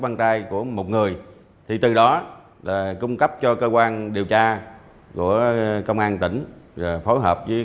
lăng tay của một người thì từ đó là cung cấp cho cơ quan điều tra của công an tỉnh rồi phối hợp với